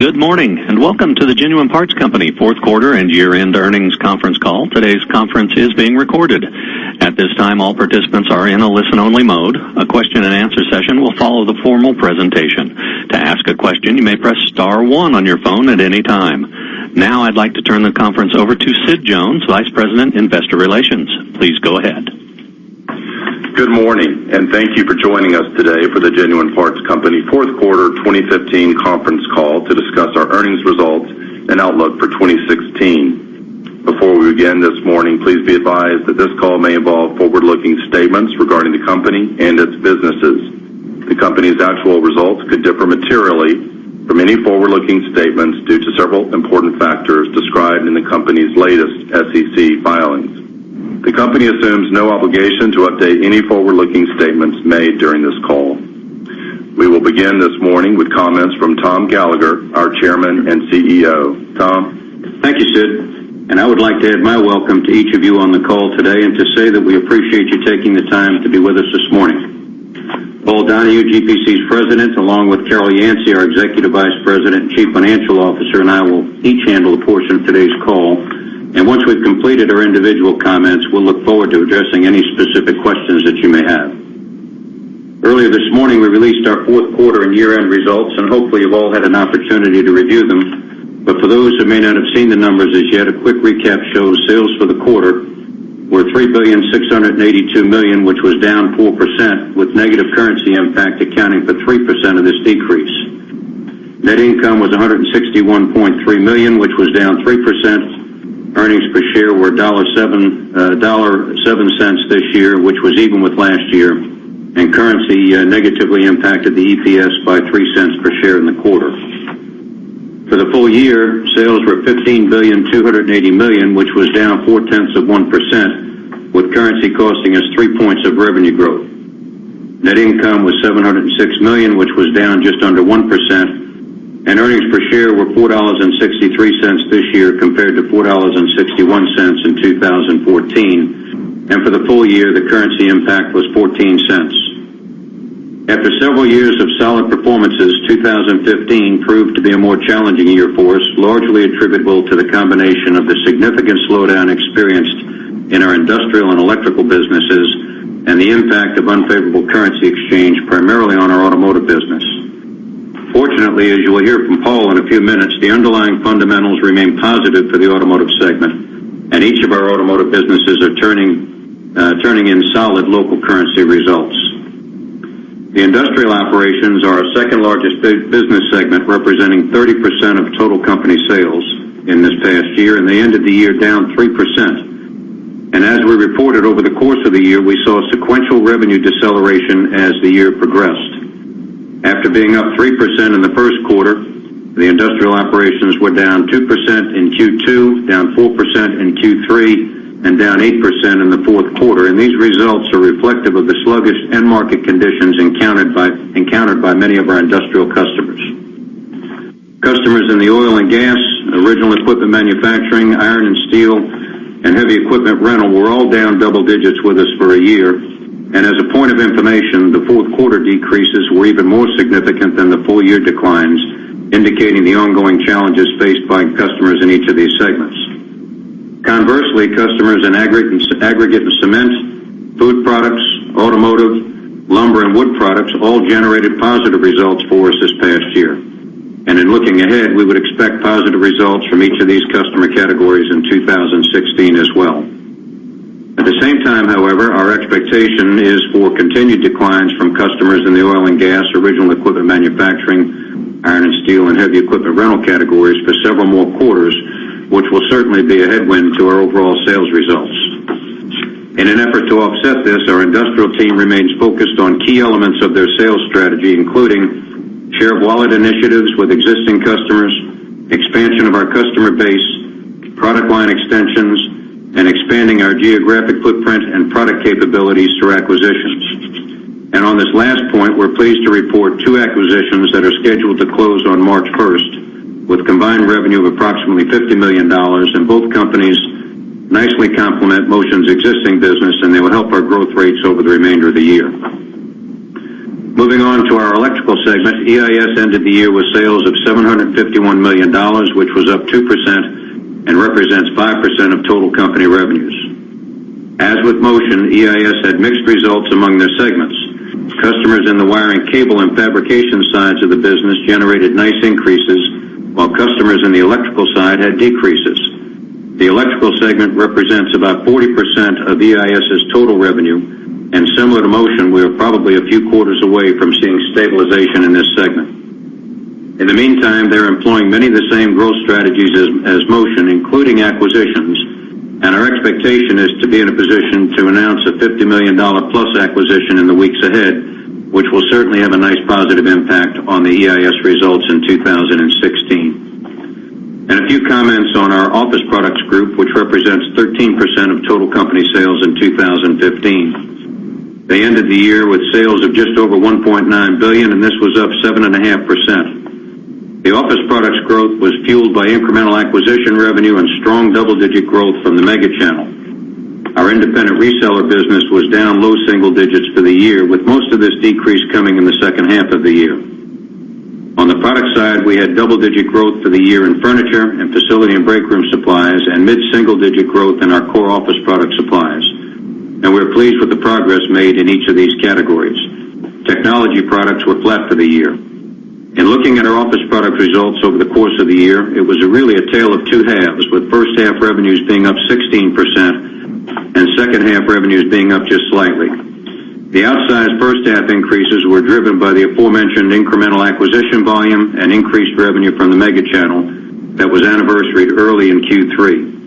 Good morning, and welcome to the Genuine Parts Company fourth quarter and year-end earnings conference call. Today's conference is being recorded. At this time, all participants are in a listen-only mode. A question and answer session will follow the formal presentation. To ask a question, you may press star one on your phone at any time. Now I'd like to turn the conference over to Sid Jones, Vice President, Investor Relations. Please go ahead. Good morning, thank you for joining us today for the Genuine Parts Company fourth quarter 2015 conference call to discuss our earnings results and outlook for 2016. Before we begin this morning, please be advised that this call may involve forward-looking statements regarding the company and its businesses. The company's actual results could differ materially from any forward-looking statements due to several important factors described in the company's latest SEC filings. The company assumes no obligation to update any forward-looking statements made during this call. We will begin this morning with comments from Tom Gallagher, our Chairman and CEO. Tom? Thank you, Sid, I would like to add my welcome to each of you on the call today and to say that we appreciate you taking the time to be with us this morning. Paul Donahue, GPC's President, along with Carol Yancey, our Executive Vice President and Chief Financial Officer, I will each handle a portion of today's call. Once we've completed our individual comments, we'll look forward to addressing any specific questions that you may have. Earlier this morning, we released our fourth quarter and year-end results, hopefully, you've all had an opportunity to review them. For those who may not have seen the numbers as yet, a quick recap shows sales for the quarter were $3,682,000,000, which was down 4%, with negative currency impact accounting for 3% of this decrease. Net income was $161.3 million, which was down 3%. Earnings per share were $1.07 this year, which was even with last year. Currency negatively impacted the EPS by $0.03 per share in the quarter. For the full year, sales were $15,280,000,000, which was down 0.4%, with currency costing us three points of revenue growth. Net income was $706 million, which was down just under 1%, earnings per share were $4.63 this year compared to $4.61 in 2014. For the full year, the currency impact was $0.14. After several years of solid performances, 2015 proved to be a more challenging year for us, largely attributable to the combination of the significant slowdown experienced in our industrial and electrical businesses and the impact of unfavorable currency exchange, primarily on our automotive business. Fortunately, as you will hear from Paul in a few minutes, the underlying fundamentals remain positive for the automotive segment, and each of our automotive businesses are turning in solid local currency results. The industrial operations are our second-largest business segment, representing 30% of total company sales in this past year. They ended the year down 3%. As we reported over the course of the year, we saw sequential revenue deceleration as the year progressed. After being up 3% in the first quarter, the industrial operations were down 2% in Q2, down 4% in Q3, and down 8% in the fourth quarter. These results are reflective of the sluggish end market conditions encountered by many of our industrial customers. Customers in the oil and gas, original equipment manufacturing, iron and steel, and heavy equipment rental were all down double digits with us for a year. As a point of information, the fourth quarter decreases were even more significant than the full-year declines, indicating the ongoing challenges faced by customers in each of these segments. Conversely, customers in aggregate and cement, food products, automotive, lumber, and wood products all generated positive results for us this past year. In looking ahead, we would expect positive results from each of these customer categories in 2016 as well. At the same time, however, our expectation is for continued declines from customers in the oil and gas, original equipment manufacturing, iron and steel, and heavy equipment rental categories for several more quarters, which will certainly be a headwind to our overall sales results. In an effort to offset this, our industrial team remains focused on key elements of their sales strategy, including share of wallet initiatives with existing customers, expansion of our customer base, product line extensions, and expanding our geographic footprint and product capabilities through acquisitions. On this last point, we're pleased to report two acquisitions that are scheduled to close on March 1st, with combined revenue of approximately $50 million. Both companies nicely complement Motion's existing business, and they will help our growth rates over the remainder of the year. Moving on to our electrical segment, EIS ended the year with sales of $751 million, which was up 2% and represents 5% of total company revenues. As with Motion, EIS had mixed results among their segments. Customers in the wiring, cable, and fabrication sides of the business generated nice increases, while customers in the electrical side had decreases. The electrical segment represents about 40% of EIS's total revenue. Similar to Motion, we are probably a few quarters away from seeing stabilization in this segment. In the meantime, they're employing many of the same growth strategies as Motion, including acquisitions. Our expectation is to be in a position to announce a $50-million-plus acquisition in the weeks ahead, which will certainly have a nice positive impact on the EIS results in 2016. A few comments on our Office Products group, which represents 13% of total company sales in 2015. They ended the year with sales of just over $1.9 billion. This was up 7.5%. The Office Products growth was fueled by incremental acquisition revenue and strong double-digit growth from the mega channel Our independent reseller business was down low single digits for the year, with most of this decrease coming in the second half of the year. On the product side, we had double-digit growth for the year in furniture and facility and break room supplies, and mid-single-digit growth in our core office product supplies. We're pleased with the progress made in each of these categories. Technology products were flat for the year. In looking at our office product results over the course of the year, it was really a tale of two halves, with first-half revenues being up 16% and second-half revenues being up just slightly. The outsized first-half increases were driven by the aforementioned incremental acquisition volume and increased revenue from the mega channel that was anniversaried early in Q3.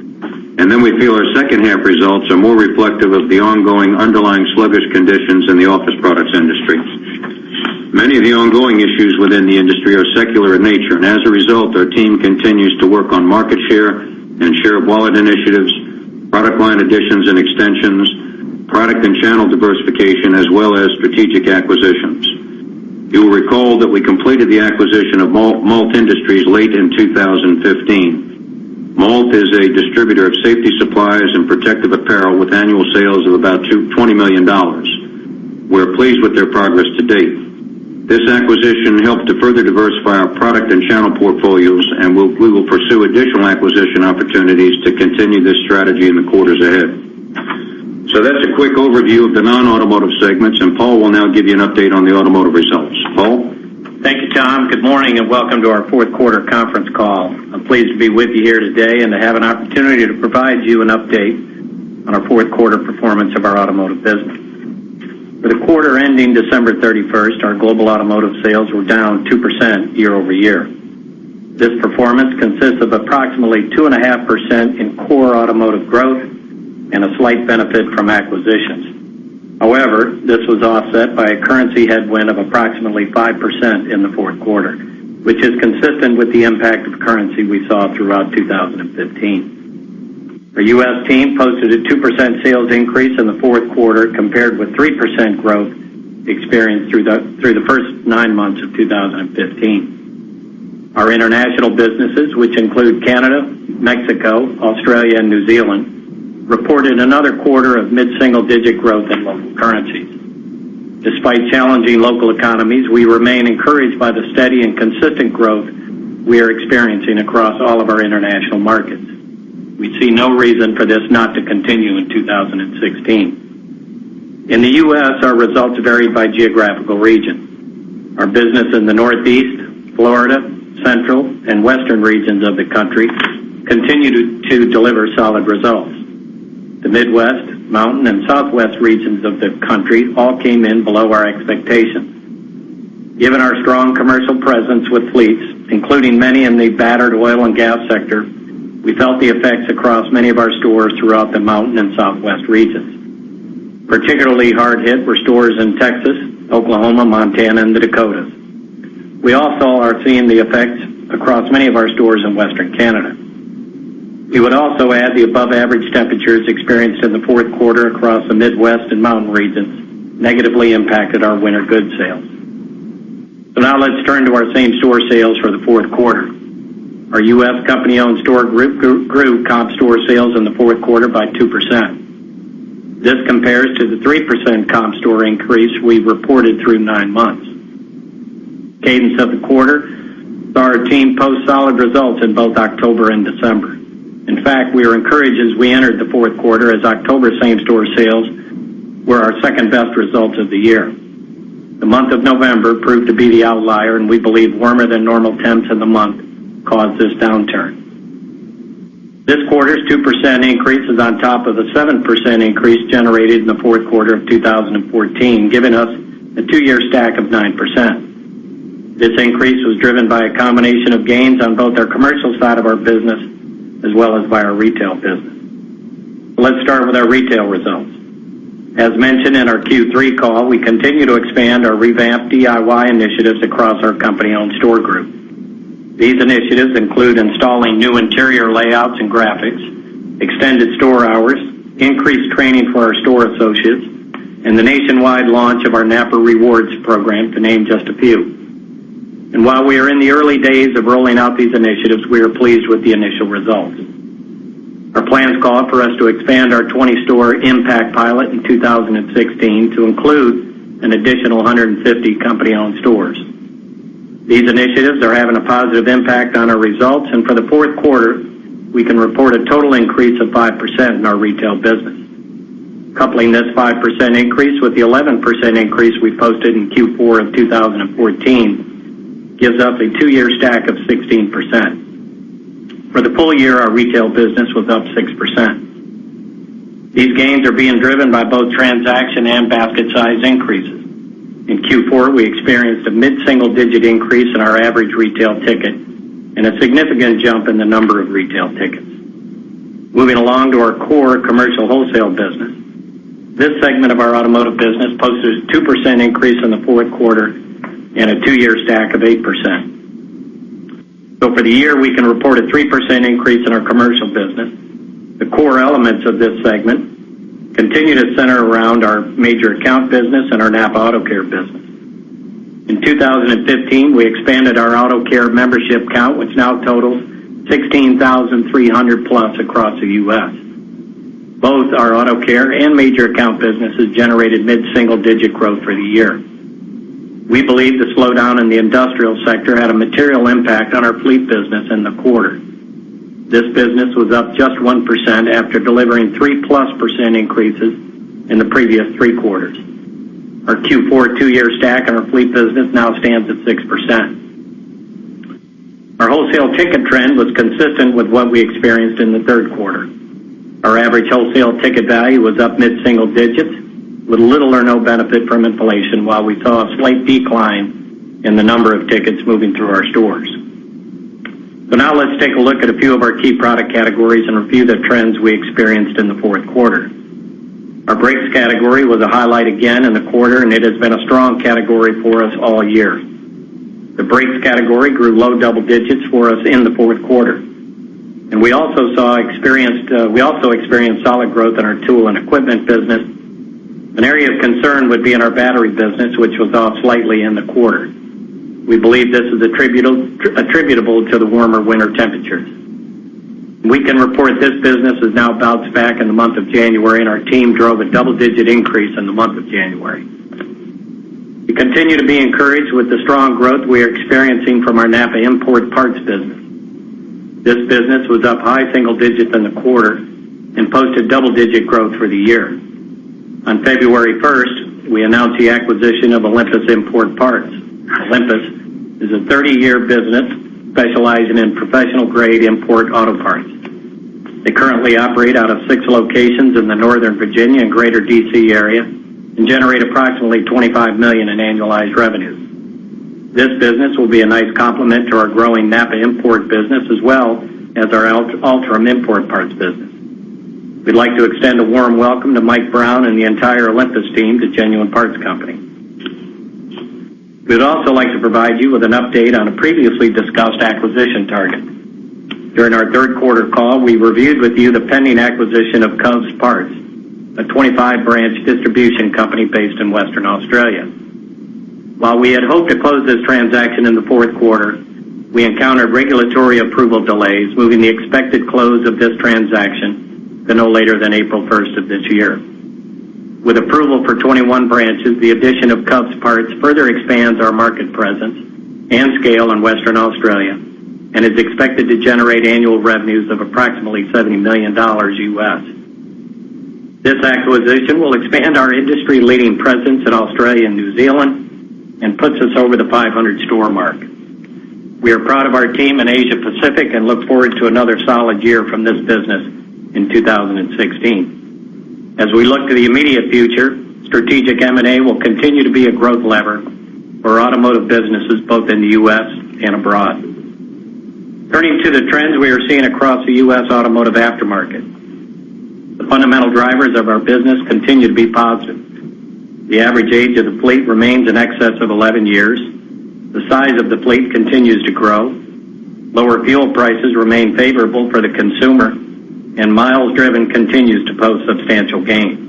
We feel our second-half results are more reflective of the ongoing underlying sluggish conditions in the office products industry. Many of the ongoing issues within the industry are secular in nature, as a result, our team continues to work on market share and share of wallet initiatives, product line additions and extensions, product and channel diversification, as well as strategic acquisitions. You will recall that we completed the acquisition of Malt Industries late in 2015. Malt is a distributor of safety supplies and protective apparel with annual sales of about $20 million. We're pleased with their progress to date. This acquisition helped to further diversify our product and channel portfolios, and we will pursue additional acquisition opportunities to continue this strategy in the quarters ahead. That's a quick overview of the non-automotive segments, and Paul will now give you an update on the automotive results. Paul? Thank you, Tom. Good morning and welcome to our fourth quarter conference call. I'm pleased to be with you here today and to have an opportunity to provide you an update on our fourth quarter performance of our automotive business. For the quarter ending December 31st, our global automotive sales were down 2% year-over-year. This performance consists of approximately 2.5% in core automotive growth and a slight benefit from acquisitions. However, this was offset by a currency headwind of approximately 5% in the fourth quarter, which is consistent with the impact of currency we saw throughout 2015. Our U.S. team posted a 2% sales increase in the fourth quarter compared with 3% growth experienced through the first nine months of 2015. Our international businesses, which include Canada, Mexico, Australia and New Zealand, reported another quarter of mid-single-digit growth in local currencies. Despite challenging local economies, we remain encouraged by the steady and consistent growth we are experiencing across all of our international markets. We see no reason for this not to continue in 2016. In the U.S., our results varied by geographical region. Our business in the Northeast, Florida, central, and western regions of the country continued to deliver solid results. The Midwest, mountain, and southwest regions of the country all came in below our expectations. Given our strong commercial presence with fleets, including many in the battered oil and gas sector, we felt the effects across many of our stores throughout the mountain and southwest regions. Particularly hard hit were stores in Texas, Oklahoma, Montana and the Dakotas. We also are seeing the effects across many of our stores in western Canada. We would also add the above-average temperatures experienced in the fourth quarter across the Midwest and mountain regions negatively impacted our winter goods sales. Now let's turn to our same-store sales for the fourth quarter. Our U.S. company-owned store group grew comp store sales in the fourth quarter by 2%. This compares to the 3% comp store increase we reported through nine months. Cadence of the quarter, our team posts solid results in both October and December. In fact, we are encouraged as we entered the fourth quarter, as October same-store sales were our second-best result of the year. The month of November proved to be the outlier, and we believe warmer than normal temps in the month caused this downturn. This quarter's 2% increase is on top of the 7% increase generated in the fourth quarter of 2014, giving us a two-year stack of 9%. This increase was driven by a combination of gains on both our commercial side of our business as well as by our retail business. Let's start with our retail results. As mentioned in our Q3 call, we continue to expand our revamped DIY initiatives across our company-owned store group. These initiatives include installing new interior layouts and graphics, extended store hours, increased training for our store associates, and the nationwide launch of our NAPA Rewards program, to name just a few. While we are in the early days of rolling out these initiatives, we are pleased with the initial results. Our plans call for us to expand our 20-store impact pilot in 2016 to include an additional 150 company-owned stores. These initiatives are having a positive impact on our results, and for the fourth quarter, we can report a total increase of 5% in our retail business. Coupling this 5% increase with the 11% increase we posted in Q4 of 2014 gives us a two-year stack of 16%. For the full year, our retail business was up 6%. These gains are being driven by both transaction and basket size increases. In Q4, we experienced a mid-single-digit increase in our average retail ticket and a significant jump in the number of retail tickets. Moving along to our core commercial wholesale business. This segment of our automotive business posted a 2% increase in the fourth quarter and a two-year stack of 8%. For the year, we can report a 3% increase in our commercial business. The core elements of this segment continue to center around our major account business and our NAPA AutoCare business. In 2015, we expanded our AutoCare membership count, which now totals 16,300+ across the U.S. Both our AutoCare and major account businesses generated mid-single-digit growth for the year. We believe the slowdown in the industrial sector had a material impact on our fleet business in the quarter. This business was up just 1% after delivering 3%+ increases in the previous three quarters. Our Q4 two-year stack in our fleet business now stands at 6%. Our wholesale ticket trend was consistent with what we experienced in the third quarter. Our average wholesale ticket value was up mid-single-digits with little or no benefit from inflation while we saw a slight decline in the number of tickets moving through our stores. Now let's take a look at a few of our key product categories and review the trends we experienced in the fourth quarter. Our brakes category was a highlight again in the quarter, it has been a strong category for us all year. The brakes category grew low double digits for us in the fourth quarter. We also experienced solid growth in our tool and equipment business. An area of concern would be in our battery business, which was off slightly in the quarter. We believe this is attributable to the warmer winter temperatures. We can report this business has now bounced back in the month of January, our team drove a double-digit increase in the month of January. We continue to be encouraged with the strong growth we are experiencing from our NAPA Import Parts business. This business was up high single digits in the quarter and posted double-digit growth for the year. On February 1st, we announced the acquisition of Olympus Import Parts. Olympus is a 30-year business specializing in professional-grade import auto parts. They currently operate out of six locations in the Northern Virginia and Greater D.C. area and generate approximately $25 million in annualized revenues. This business will be a nice complement to our growing NAPA Import Parts business, as well as our Altrom Import Parts business. We'd like to extend a warm welcome to Mike Brown and the entire Olympus team to Genuine Parts Company. We'd also like to provide you with an update on a previously discussed acquisition target. During our third-quarter call, we reviewed with you the pending acquisition of Covs Parts, a 25-branch distribution company based in Western Australia. While we had hoped to close this transaction in the fourth quarter, we encountered regulatory approval delays, moving the expected close of this transaction to no later than April 1st of this year. With approval for 21 branches, the addition of Covs Parts further expands our market presence and scale in Western Australia and is expected to generate annual revenues of approximately $70 million USD. This acquisition will expand our industry-leading presence in Australia and New Zealand and puts us over the 500-store mark. We are proud of our team in Asia Pacific and look forward to another solid year from this business in 2016. As we look to the immediate future, strategic M&A will continue to be a growth lever for automotive businesses both in the U.S. and abroad. Turning to the trends we are seeing across the U.S. automotive aftermarket. The fundamental drivers of our business continue to be positive. The average age of the fleet remains in excess of 11 years. The size of the fleet continues to grow. Lower fuel prices remain favorable for the consumer, Miles driven continues to post substantial gains.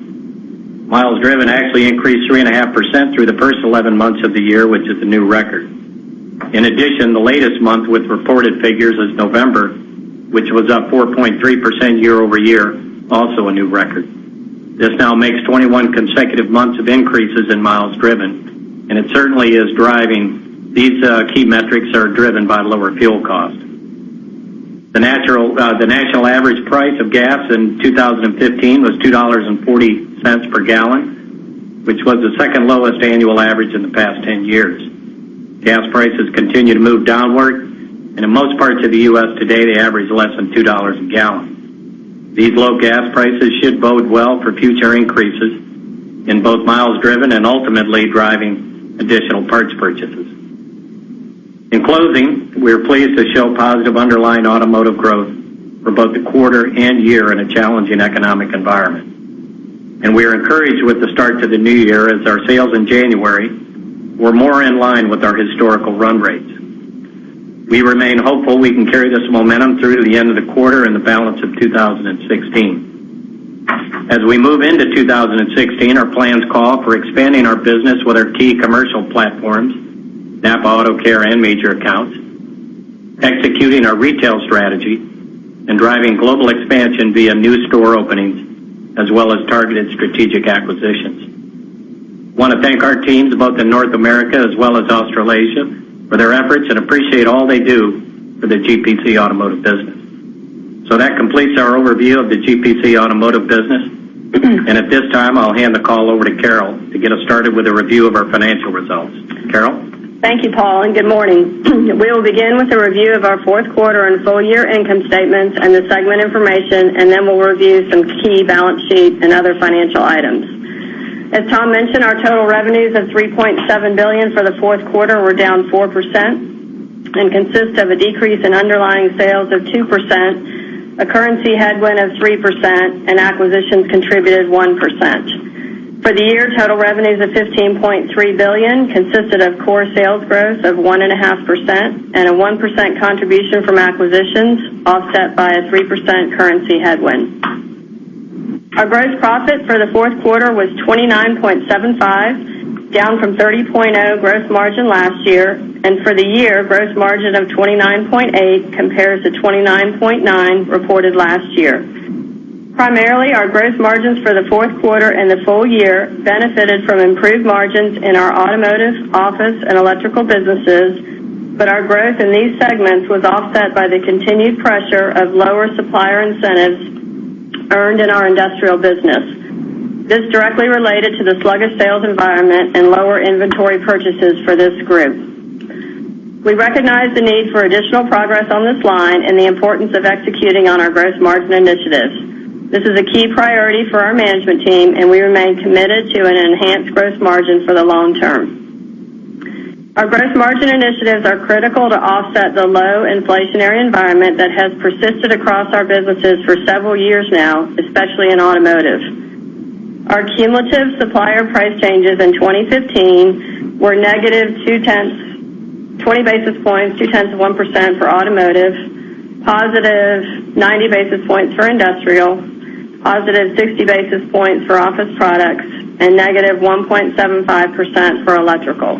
Miles driven actually increased 3.5% through the first 11 months of the year, which is a new record. In addition, the latest month with reported figures is November, which was up 4.3% year-over-year, also a new record. This now makes 21 consecutive months of increases in miles driven, It certainly is driving. These key metrics are driven by lower fuel costs. The national average price of gas in 2015 was $2.40 per gallon, which was the second lowest annual average in the past 10 years. Gas prices continue to move downward, and in most parts of the U.S. today, they average less than $2 a gallon. These low gas prices should bode well for future increases in both miles driven and ultimately driving additional parts purchases. In closing, we are pleased to show positive underlying automotive growth for both the quarter and year in a challenging economic environment. We are encouraged with the start to the new year as our sales in January were more in line with our historical run rates. We remain hopeful we can carry this momentum through the end of the quarter and the balance of 2016. As we move into 2016, our plans call for expanding our business with our key commercial platforms, NAPA AutoCare, and major accounts, executing our retail strategy, and driving global expansion via new store openings, as well as targeted strategic acquisitions. Want to thank our teams, both in North America as well as Australasia, for their efforts and appreciate all they do for the GPC Automotive business. That completes our overview of the GPC Automotive business. At this time, I'll hand the call over to Carol to get us started with a review of our financial results. Carol? Thank you, Paul, and good morning. We will begin with a review of our fourth quarter and full-year income statements and the segment information. Then we'll review some key balance sheet and other financial items. As Tom mentioned, our total revenues of $3.7 billion for the fourth quarter were down 4% and consist of a decrease in underlying sales of 2%, a currency headwind of 3%, and acquisitions contributed 1%. For the year, total revenues of $15.3 billion consisted of core sales growth of 1.5% and a 1% contribution from acquisitions, offset by a 3% currency headwind. Our gross profit for the fourth quarter was 29.75%, down from 30.0% gross margin last year. For the year, gross margin of 29.8% compares to 29.9% reported last year. Primarily, our gross margins for the fourth quarter and the full year benefited from improved margins in our automotive, office, and electrical businesses. Our growth in these segments was offset by the continued pressure of lower supplier incentives earned in our industrial business. This directly related to the sluggish sales environment and lower inventory purchases for this group. We recognize the need for additional progress on this line and the importance of executing on our gross margin initiatives. This is a key priority for our management team, and we remain committed to an enhanced gross margin for the long term. Our gross margin initiatives are critical to offset the low inflationary environment that has persisted across our businesses for several years now, especially in automotive. Our cumulative supplier price changes in 2015 were negative two-tenths, 20 basis points, two-tenths of 1% for automotive, positive 90 basis points for industrial, positive 60 basis points for office products, and negative 1.75% for electrical.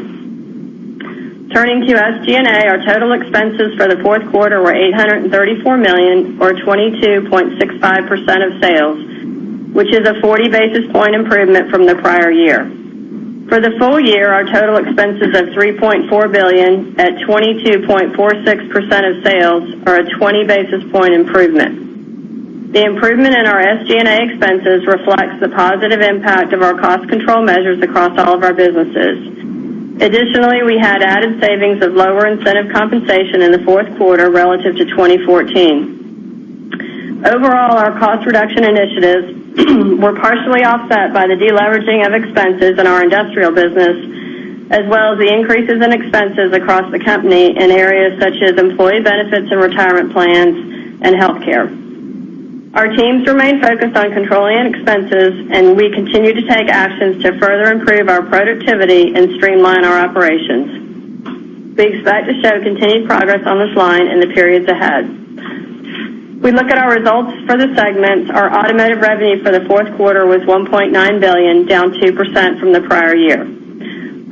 Turning to SG&A, our total expenses for the fourth quarter were $834 million or 22.65% of sales, which is a 40 basis point improvement from the prior year. For the full year, our total expenses of $3.4 billion at 22.46% of sales are a 20 basis point improvement. The improvement in our SG&A expenses reflects the positive impact of our cost control measures across all of our businesses. Additionally, we had added savings of lower incentive compensation in the fourth quarter relative to 2014. Overall, our cost reduction initiatives were partially offset by the deleveraging of expenses in our industrial business, as well as the increases in expenses across the company in areas such as employee benefits and retirement plans and healthcare. Our teams remain focused on controlling expenses, and we continue to take actions to further improve our productivity and streamline our operations. We expect to show continued progress on this line in the periods ahead. We look at our results for the segments. Our automotive revenue for the fourth quarter was $1.9 billion, down 2% from the prior year.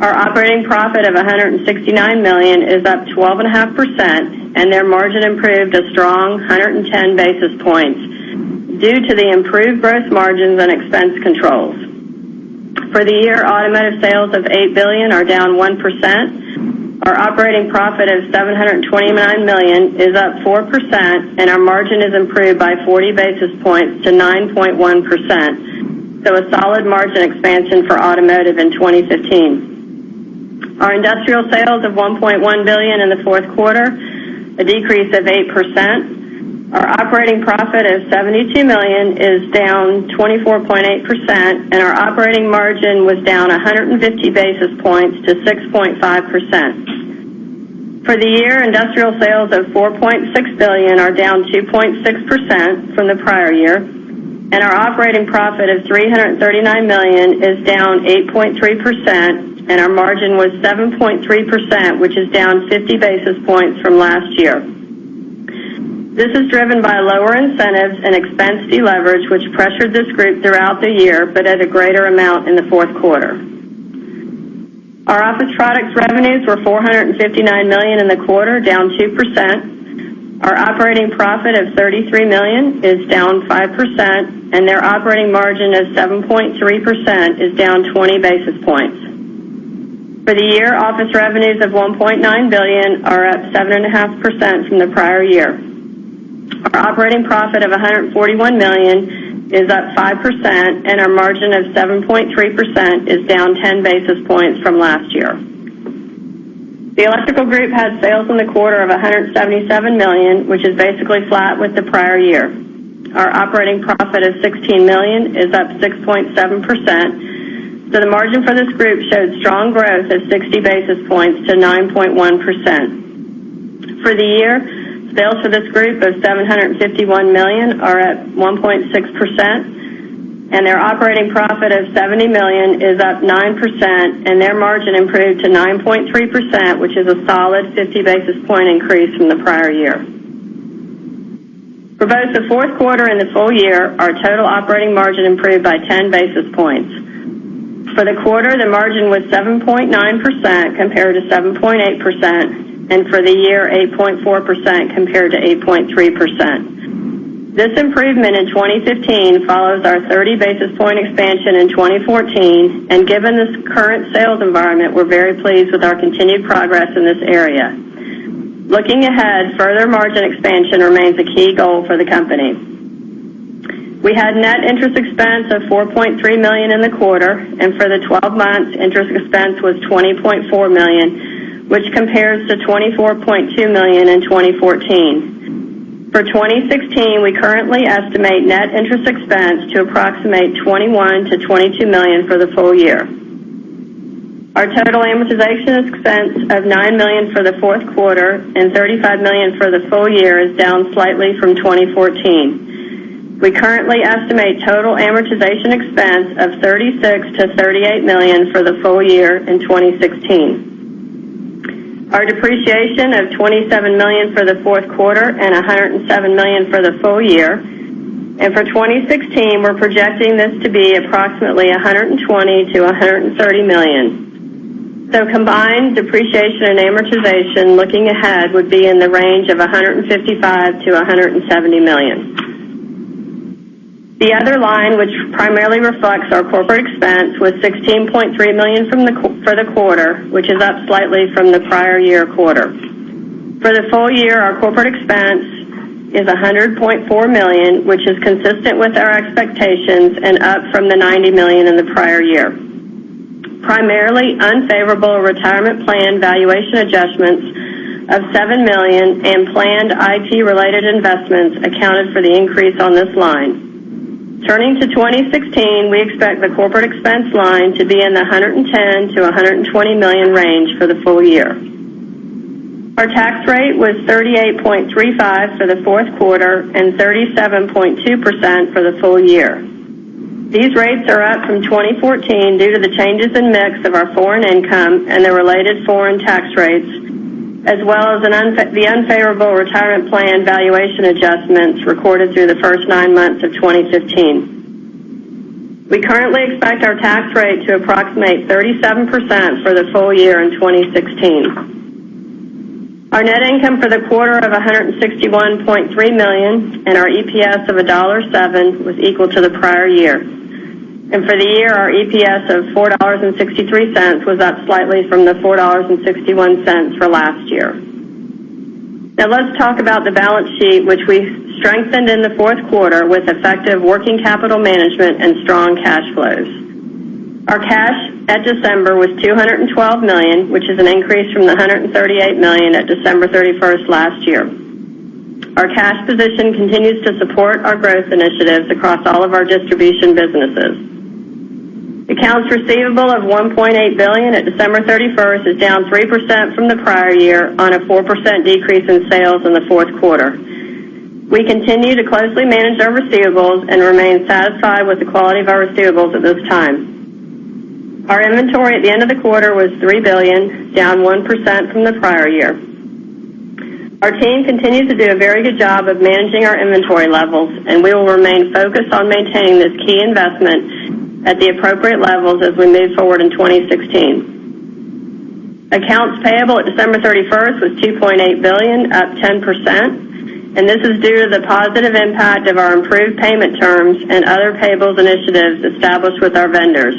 Our operating profit of $169 million is up 12.5%, and their margin improved a strong 110 basis points due to the improved gross margins and expense controls. For the year, automotive sales of $8 billion are down 1%. Our operating profit of $729 million is up 4%, and our margin is improved by 40 basis points to 9.1%, so a solid margin expansion for automotive in 2015. Our industrial sales of $1.1 billion in the fourth quarter, a decrease of 8%. Our operating profit of $72 million is down 24.8%, and our operating margin was down 150 basis points to 6.5%. For the year, industrial sales of $4.6 billion are down 2.6% from the prior year, and our operating profit of $339 million is down 8.3%, and our margin was 7.3%, which is down 50 basis points from last year. This is driven by lower incentives and expense deleverage, which pressured this group throughout the year but at a greater amount in the fourth quarter. Our office products revenues were $459 million in the quarter, down 2%. Our operating profit of $33 million is down 5%, and their operating margin of 7.3% is down 20 basis points. For the year, office revenues of $1.9 billion are up 7.5% from the prior year. Our operating profit of $141 million is up 5%, and our margin of 7.3% is down 10 basis points from last year. The electrical group had sales in the quarter of $177 million, which is basically flat with the prior year. Our operating profit of $16 million is up 6.7%. The margin for this group showed strong growth of 60 basis points to 9.1%. For the year, sales for this group of $751 million are up 1.6%, and their operating profit of $70 million is up 9%, and their margin improved to 9.3%, which is a solid 50 basis point increase from the prior year. For both the fourth quarter and the full year, our total operating margin improved by 10 basis points. For the quarter, the margin was 7.9% compared to 7.8%, and for the year, 8.4% compared to 8.3%. This improvement in 2015 follows our 30 basis point expansion in 2014, and given this current sales environment, we're very pleased with our continued progress in this area. Looking ahead, further margin expansion remains a key goal for the company. We had net interest expense of $4.3 million in the quarter, and for the 12 months, interest expense was $20.4 million, which compares to $24.2 million in 2014. For 2016, we currently estimate net interest expense to approximate $21 million to $22 million for the full year. Our total amortization expense of $9 million for the fourth quarter and $35 million for the full year is down slightly from 2014. We currently estimate total amortization expense of $36 million to $38 million for the full year in 2016. Our depreciation of $27 million for the fourth quarter and $107 million for the full year. For 2016, we're projecting this to be approximately $120 million to $130 million. Combined depreciation and amortization looking ahead would be in the range of $155 million to $170 million. The other line, which primarily reflects our corporate expense, was $16.3 million for the quarter, which is up slightly from the prior year quarter. For the full year, our corporate expense is $100.4 million, which is consistent with our expectations and up from the $90 million in the prior year. Primarily unfavorable retirement plan valuation adjustments of $7 million and planned IT-related investments accounted for the increase on this line. Turning to 2016, we expect the corporate expense line to be in the $110 million to $120 million range for the full year. Our tax rate was 38.35% for the fourth quarter and 37.2% for the full year. These rates are up from 2014 due to the changes in mix of our foreign income and the related foreign tax rates, as well as the unfavorable retirement plan valuation adjustments recorded through the first nine months of 2015. We currently expect our tax rate to approximate 37% for the full year in 2016. Our net income for the quarter of $161.3 million and our EPS of $1.7 was equal to the prior year. For the year, our EPS of $4.63 was up slightly from the $4.61 for last year. Now let's talk about the balance sheet, which we strengthened in the fourth quarter with effective working capital management and strong cash flows. Our cash at December was $212 million, which is an increase from the $138 million at December 31st last year. Our cash position continues to support our growth initiatives across all of our distribution businesses. Accounts receivable of $1.8 billion at December 31st is down 3% from the prior year on a 4% decrease in sales in the fourth quarter. We continue to closely manage our receivables and remain satisfied with the quality of our receivables at this time. Our inventory at the end of the quarter was $3 billion, down 1% from the prior year. Our team continues to do a very good job of managing our inventory levels, we will remain focused on maintaining this key investment at the appropriate levels as we move forward in 2016. Accounts payable at December 31st was $2.8 billion, up 10%, this is due to the positive impact of our improved payment terms and other payables initiatives established with our vendors.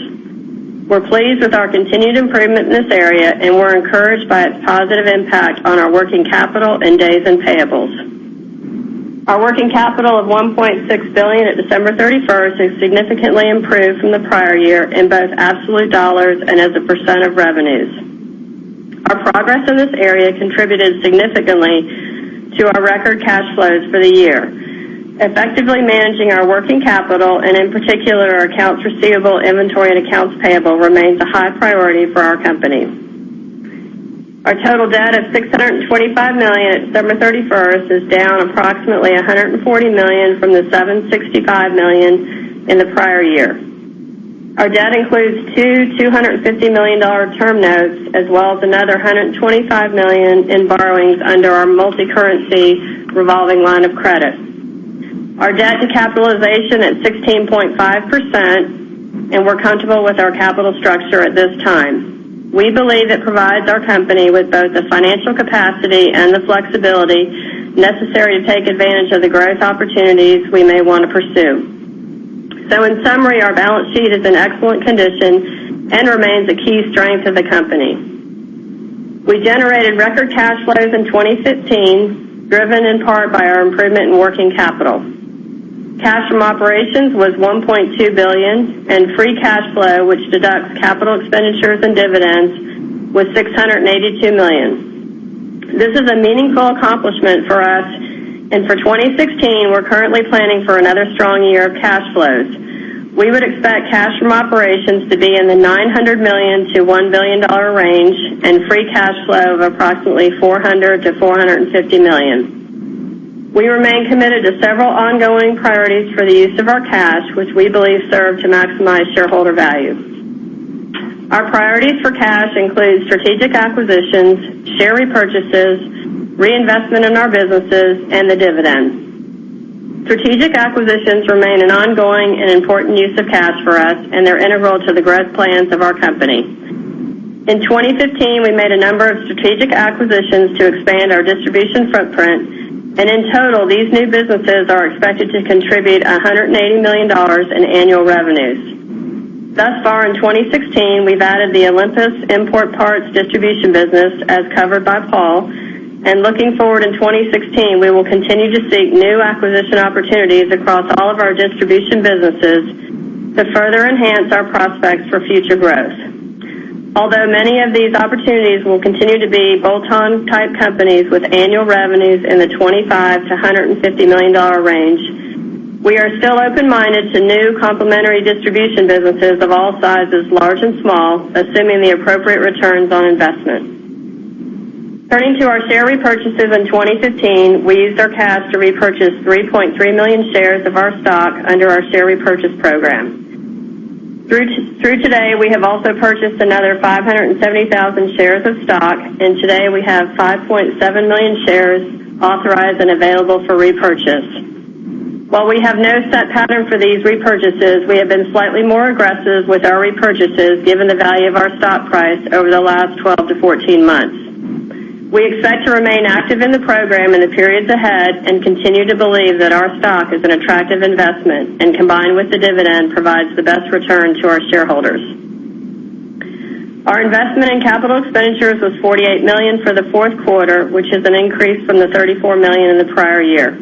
We're pleased with our continued improvement in this area, we're encouraged by its positive impact on our working capital and days and payables. Our working capital of $1.6 billion at December 31st is significantly improved from the prior year in both absolute dollars and as a percent of revenues. Our progress in this area contributed significantly to our record cash flows for the year. Effectively managing our working capital, and in particular, our accounts receivable, inventory, and accounts payable, remains a high priority for our company. Our total debt of $625 million at December 31st is down approximately $140 million from the $765 million in the prior year. Our debt includes two $250 million term notes, as well as another $125 million in borrowings under our multi-currency revolving line of credit. Our debt to capitalization at 16.5%, we're comfortable with our capital structure at this time. We believe it provides our company with both the financial capacity and the flexibility necessary to take advantage of the growth opportunities we may want to pursue. In summary, our balance sheet is in excellent condition and remains a key strength of the company. We generated record cash flows in 2015, driven in part by our improvement in working capital. Cash from operations was $1.2 billion, and free cash flow, which deducts capital expenditures and dividends, was $682 million. This is a meaningful accomplishment for us, for 2016, we're currently planning for another strong year of cash flows. We would expect cash from operations to be in the $900 million to $1 billion range, free cash flow of approximately $400 million to $450 million. We remain committed to several ongoing priorities for the use of our cash, which we believe serve to maximize shareholder value. Our priorities for cash include strategic acquisitions, share repurchases, reinvestment in our businesses, and the dividend. Strategic acquisitions remain an ongoing and important use of cash for us, they're integral to the growth plans of our company. In 2015, we made a number of strategic acquisitions to expand our distribution footprint, in total, these new businesses are expected to contribute $180 million in annual revenues. Thus far in 2016, we've added the Olympus Import Parts distribution business as covered by Paul, looking forward in 2016, we will continue to seek new acquisition opportunities across all of our distribution businesses to further enhance our prospects for future growth. Although many of these opportunities will continue to be bolt-on type companies with annual revenues in the $25 million to $150 million range, we are still open-minded to new complementary distribution businesses of all sizes, large and small, assuming the appropriate returns on investment. Turning to our share repurchases in 2015, we used our cash to repurchase 3.3 million shares of our stock under our share repurchase program. Through today, we have also purchased another 570,000 shares of stock. Today we have 5.7 million shares authorized and available for repurchase. While we have no set pattern for these repurchases, we have been slightly more aggressive with our repurchases given the value of our stock price over the last 12-14 months. We expect to remain active in the program in the periods ahead and continue to believe that our stock is an attractive investment and combined with the dividend, provides the best return to our shareholders. Our investment in capital expenditures was $48 million for the fourth quarter, which is an increase from the $34 million in the prior year.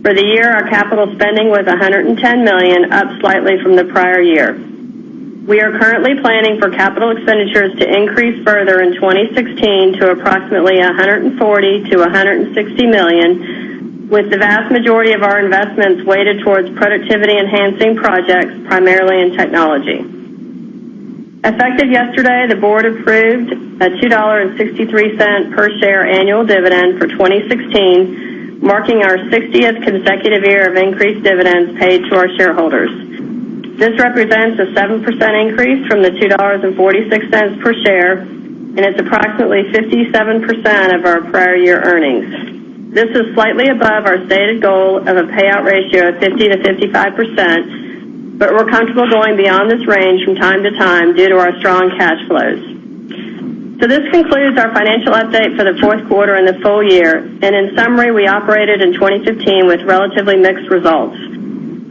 For the year, our capital spending was $110 million, up slightly from the prior year. We are currently planning for capital expenditures to increase further in 2016 to approximately $140 million-$160 million, with the vast majority of our investments weighted towards productivity-enhancing projects, primarily in technology. Effective yesterday, the board approved a $2.63 per share annual dividend for 2016, marking our 60th consecutive year of increased dividends paid to our shareholders. This represents a 7% increase from the $2.46 per share. It's approximately 57% of our prior year earnings. This is slightly above our stated goal of a payout ratio of 50%-55%. We're comfortable going beyond this range from time to time due to our strong cash flows. This concludes our financial update for the fourth quarter and the full year. In summary, we operated in 2015 with relatively mixed results.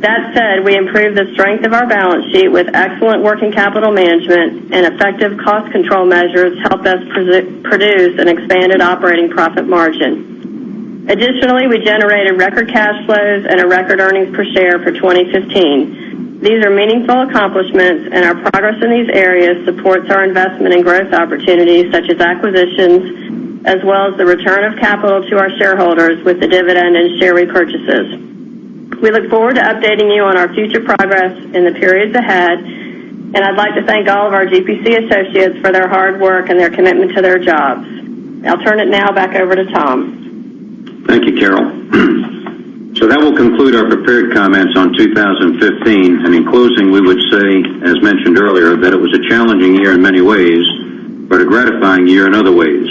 That said, we improved the strength of our balance sheet with excellent working capital management and effective cost control measures helped us produce an expanded operating profit margin. Additionally, we generated record cash flows and a record earnings per share for 2015. These are meaningful accomplishments. Our progress in these areas supports our investment in growth opportunities such as acquisitions, as well as the return of capital to our shareholders with the dividend and share repurchases. We look forward to updating you on our future progress in the periods ahead. I'd like to thank all of our GPC associates for their hard work and their commitment to their jobs. I'll turn it now back over to Tom. Thank you, Carol. That will conclude our prepared comments on 2015. In closing, we would say, as mentioned earlier, that it was a challenging year in many ways, but a gratifying year in other ways.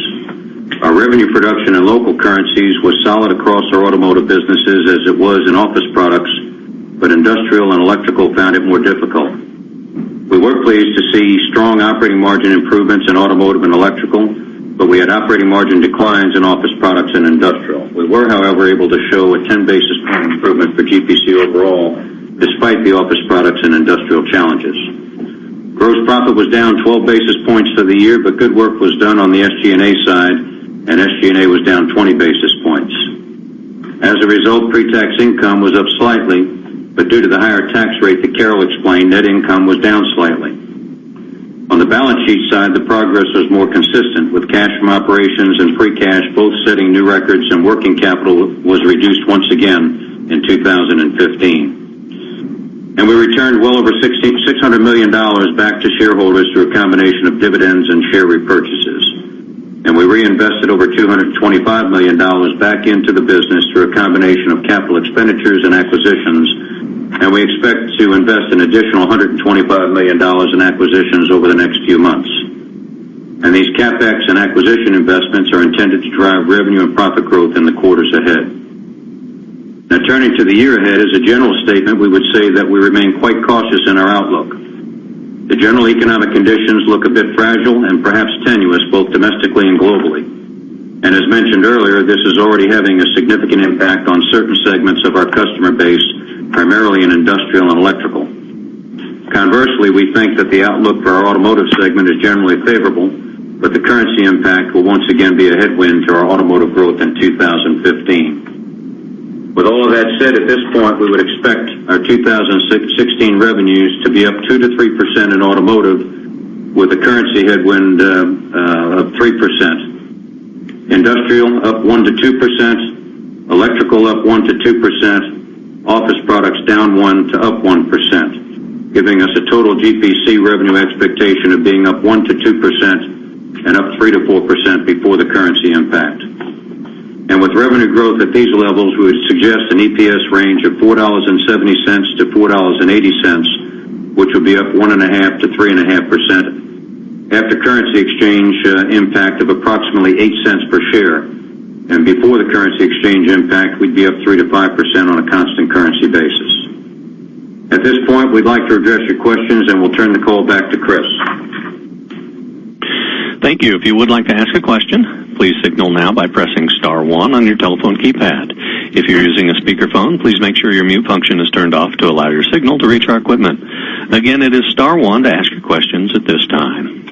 Our revenue production in local currencies was solid across our automotive businesses as it was in office products, but industrial and electrical found it more difficult. We were pleased to see strong operating margin improvements in automotive and electrical, but we had operating margin declines in office products and industrial. We were, however, able to show a 10-basis point improvement for GPC overall, despite the office products and industrial challenges. Gross profit was down 12 basis points for the year, but good work was done on the SG&A side. SG&A was down 20 basis points. As a result, pre-tax income was up slightly, but due to the higher tax rate that Carol explained, net income was down slightly. On the balance sheet side, the progress was more consistent with cash from operations and free cash both setting new records and working capital was reduced once again in 2015. We returned well over $600 million back to shareholders through a combination of dividends and share repurchases. We reinvested over $225 million back into the business through a combination of capital expenditures and acquisitions, and we expect to invest an additional $125 million in acquisitions over the next few months. These CapEx and acquisition investments are intended to drive revenue and profit growth in the quarters ahead. Turning to the year ahead, as a general statement, we would say that we remain quite cautious in our outlook. The general economic conditions look a bit fragile and perhaps tenuous, both domestically and globally. As mentioned earlier, this is already having a significant impact on certain segments of our customer base, primarily in industrial and electrical. Conversely, we think that the outlook for our automotive segment is generally favorable, but the currency impact will once again be a headwind to our automotive growth in 2015. With all of that said, at this point, we would expect our 2016 revenues to be up 2%-3% in automotive, with a currency headwind of 3%. Industrial up 1%-2%. Electrical up 1%-2%. Office products down 1% to up 1%, giving us a total GPC revenue expectation of being up 1%-2% and up 3%-4% before the currency impact. With revenue growth at these levels, we would suggest an EPS range of $4.70-$4.80, which will be up 1.5%-3.5% after currency exchange impact of approximately $0.08 per share. Before the currency exchange impact, we'd be up 3%-5% on a constant currency basis. At this point, we'd like to address your questions and we'll turn the call back to Chris. Thank you. If you would like to ask a question, please signal now by pressing *1 on your telephone keypad. If you're using a speakerphone, please make sure your mute function is turned off to allow your signal to reach our equipment. Again, it is *1 to ask your questions at this time.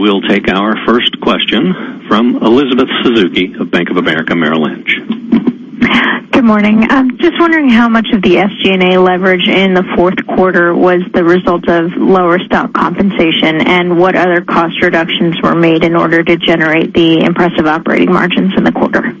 We'll take our first question from Elizabeth Suzuki of Bank of America Merrill Lynch. Good morning. Just wondering how much of the SG&A leverage in the fourth quarter was the result of lower stock compensation, and what other cost reductions were made in order to generate the impressive operating margins in the quarter?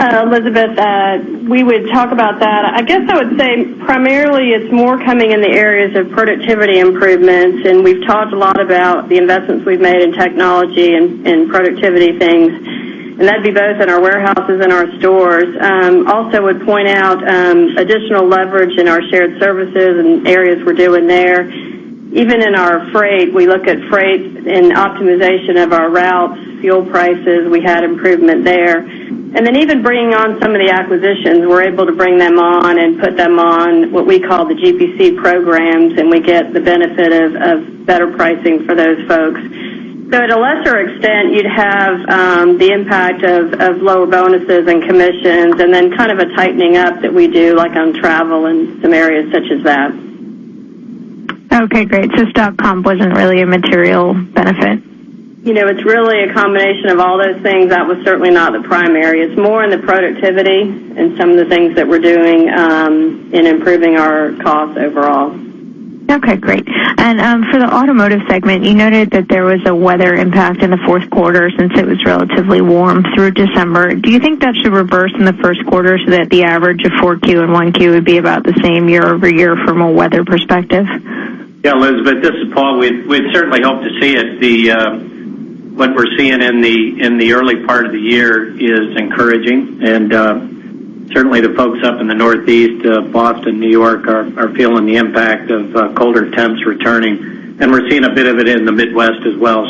Elizabeth, we would talk about that. I guess I would say primarily it's more coming in the areas of productivity improvements. We've talked a lot about the investments we've made in technology and productivity things, and that'd be both in our warehouses and our stores. Also would point out additional leverage in our shared services and areas we're doing there. Even in our freight, we look at freight and optimization of our routes, fuel prices, we had improvement there. Even bringing on some of the acquisitions, we're able to bring them on and put them on what we call the GPC programs, and we get the benefit of better pricing for those folks. At a lesser extent, you'd have the impact of lower bonuses and commissions, and then kind of a tightening up that we do like on travel and some areas such as that. Okay, great. Stock comp wasn't really a material benefit? It's really a combination of all those things. That was certainly not the primary. It's more in the productivity and some of the things that we're doing in improving our costs overall. Okay, great. For the automotive segment, you noted that there was a weather impact in the fourth quarter since it was relatively warm through December. Do you think that should reverse in the first quarter so that the average of Q4 and Q1 would be about the same year-over-year from a weather perspective? Yeah, Elizabeth, this is Paul. We'd certainly hope to see it. What we're seeing in the early part of the year is encouraging, and certainly the folks up in the Northeast, Boston, New York, are feeling the impact of colder temps returning. We're seeing a bit of it in the Midwest as well.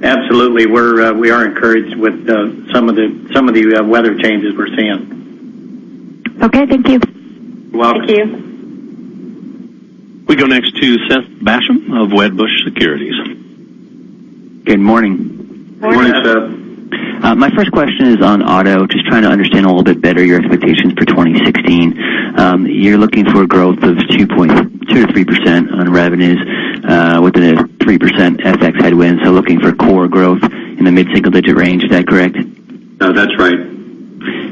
Absolutely, we are encouraged with some of the weather changes we're seeing. Okay, thank you. You're welcome. Thank you. We go next to Seth Basham of Wedbush Securities. Good morning. Good morning, Seth. My first question is on auto, just trying to understand a little bit better your expectations for 2016. You're looking for growth of 2%-3% on revenues, with a 3% FX headwind, so looking for core growth in the mid-single digit range. Is that correct? That's right.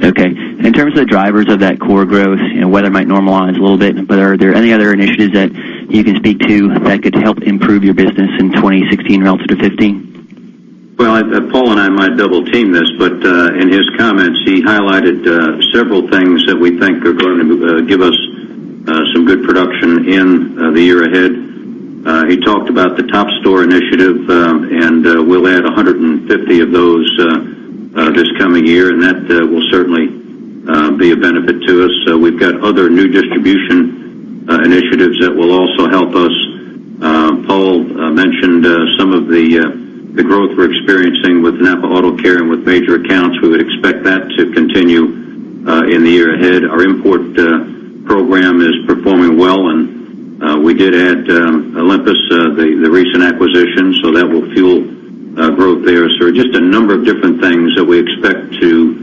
Okay. In terms of the drivers of that core growth, weather might normalize a little bit, but are there any other initiatives that you can speak to that could help improve your business in 2016 relative to 2015? Well, Paul and I might double team this, but in his comments, he highlighted several things that we think are going to give us some good production in the year ahead. He talked about the Top Store Initiative, and we'll add 150 of those this coming year, and that will certainly be a benefit to us. We've got other new distribution initiatives that will also help us. Paul mentioned some of the growth we're experiencing with NAPA AutoCare and with major accounts. We would expect that to continue in the year ahead. Our import program is performing well, and we did add Olympus, the recent acquisition, so that will fuel growth there. Just a number of different things that we expect to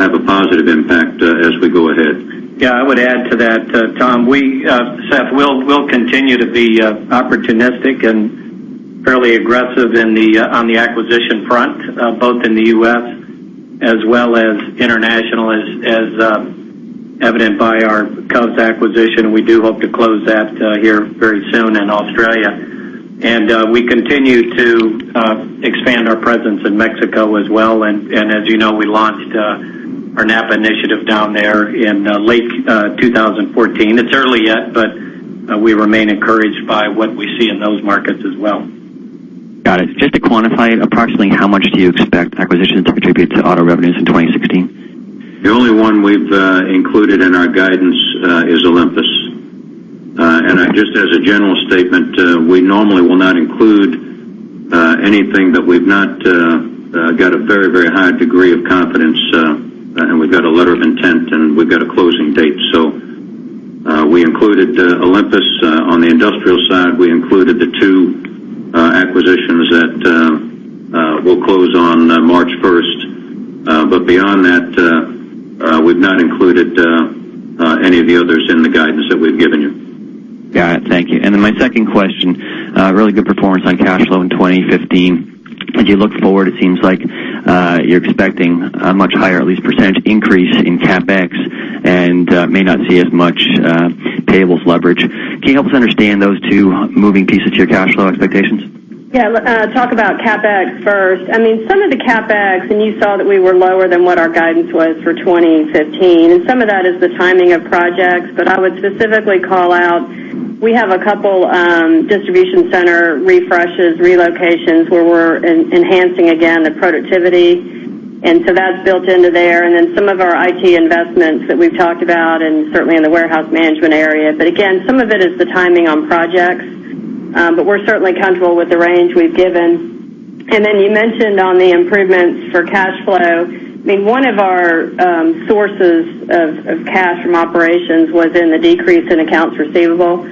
have a positive impact as we go ahead. Yeah, I would add to that, Seth. We'll continue to be opportunistic and fairly aggressive on the acquisition front, both in the U.S. as well as international, as evident by our Covs acquisition. We do hope to close that here very soon in Australia. We continue to expand our presence in Mexico as well. As you know, we launched our NAPA initiative down there in late 2014. It's early yet, but we remain encouraged by what we see in those markets as well. Got it. Just to quantify it, approximately how much do you expect acquisitions to contribute to auto revenues in 2016? The only one we've included in our guidance is Olympus. Just as a general statement, we normally will not include anything that we've not got a very, very high degree of confidence and we've got a letter of intent and we've got a closing date. We included Olympus on the industrial side. We included the two acquisitions that will close on March 1st. Beyond that, we've not included any of the others in the guidance that we've given you. Got it. Thank you. My second question, really good performance on cash flow in 2015. As you look forward, it seems like you're expecting a much higher, at least percentage increase in CapEx and may not see as much payables leverage. Can you help us understand those two moving pieces to your cash flow expectations? Yeah. Talk about CapEx first. Some of the CapEx, you saw that we were lower than what our guidance was for 2015, some of that is the timing of projects. I would specifically call out, we have a couple distribution center refreshes, relocations, where we're enhancing again the productivity. That's built into there. Then some of our IT investments that we've talked about, certainly in the warehouse management area. Again, some of it is the timing on projects. We're certainly comfortable with the range we've given. Then you mentioned on the improvements for cash flow. One of our sources of cash from operations was in the decrease in accounts receivable.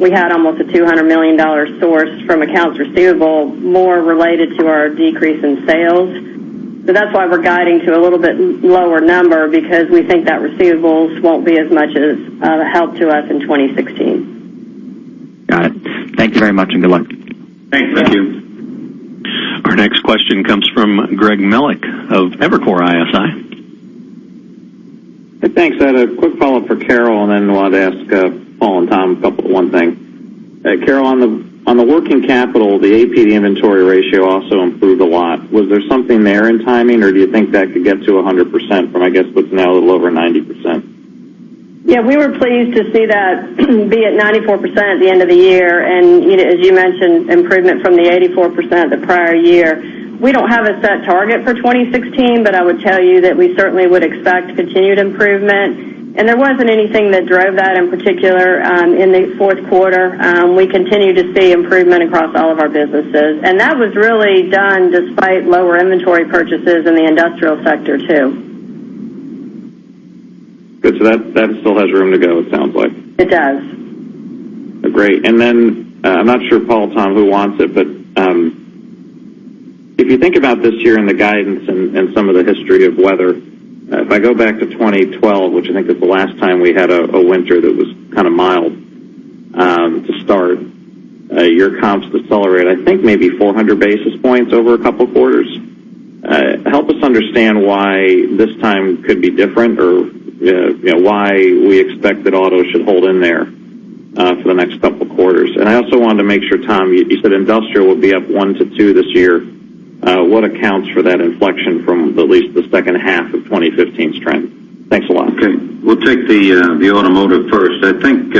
We had almost a $200 million source from accounts receivable, more related to our decrease in sales. That's why we're guiding to a little bit lower number because we think that receivables won't be as much of a help to us in 2016. Got it. Thank you very much, and good luck. Thanks. Thank you. Our next question comes from Greg Melich of Evercore ISI. Thanks. I had a quick follow-up for Carol, then wanted to ask Paul and Tom one thing. Carol, on the working capital, the AP to inventory ratio also improved a lot. Was there something there in timing, or do you think that could get to 100% from, I guess what's now a little over 90%? Yeah, we were pleased to see that be at 94% at the end of the year, and as you mentioned, improvement from the 84% the prior year. We don't have a set target for 2016, but I would tell you that we certainly would expect continued improvement, and there wasn't anything that drove that in particular in the fourth quarter. We continue to see improvement across all of our businesses. That was really done despite lower inventory purchases in the industrial sector, too. Good. That still has room to go, it sounds like. It does. Great. I'm not sure, Paul, Tom, who wants it, but if you think about this year and the guidance and some of the history of weather, if I go back to 2012, which I think is the last time we had a winter that was kind of mild to start, your comps decelerated, I think maybe 400 basis points over a couple of quarters. Help us understand why this time could be different or why we expect that auto should hold in there for the next couple of quarters. I also wanted to make sure, Tom, you said industrial will be up one to two this year. What accounts for that inflection from at least the second half of 2015's trend? Thanks a lot. Okay. We'll take the automotive first. I think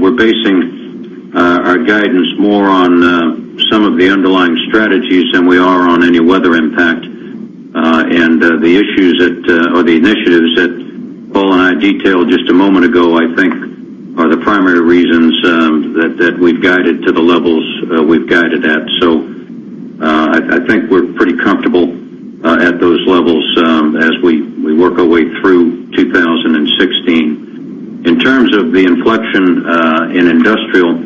we're basing our guidance more on some of the underlying strategies than we are on any weather impact. The initiatives that Paul and I detailed just a moment ago, I think are the primary reasons that we've guided to the levels we've guided at. I think we're pretty comfortable at those levels as we work our way through 2016. In terms of the inflection in industrial,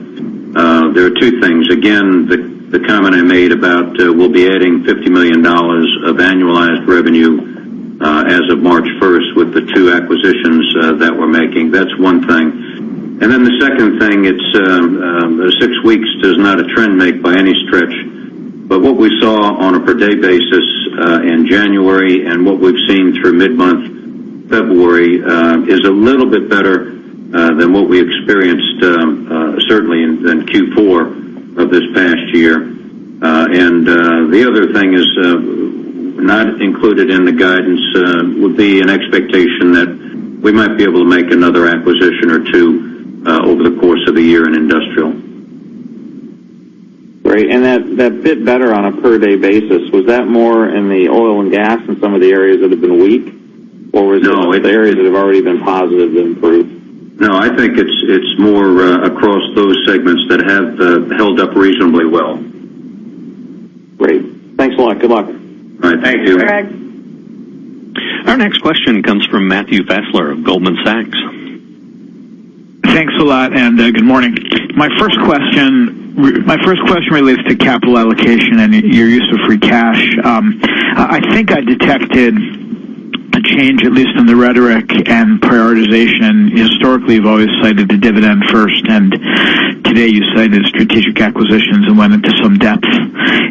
there are two things. Again, the comment I made about we'll be adding $50 million of annualized revenue as of March 1st with the two acquisitions that we're making. That's one thing. The second thing, six weeks does not a trend make by any stretch. What we saw on a per day basis in January and what we've seen through mid-month February, is a little bit better than what we experienced, certainly in Q4 of this past year. The other thing is not included in the guidance would be an expectation that we might be able to make another acquisition or two over the course of the year in industrial. Great. That bit better on a per day basis, was that more in the oil and gas and some of the areas that have been weak? Or was it No the areas that have already been positive improved? No, I think it's more across those segments that have held up reasonably well. Great. Thanks a lot. Good luck. All right. Thank you. Thanks, Greg. Our next question comes from Matthew Fassler of Goldman Sachs. Thanks a lot, good morning. My first question relates to capital allocation and your use of free cash. I think I detected a change, at least in the rhetoric and prioritization. Historically, you've always cited the dividend first, today you cited strategic acquisitions and went into some depth